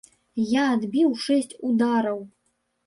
Я адбіў шэсць удараў.